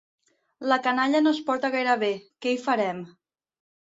La canalla no es porta gaire bé, què hi farem!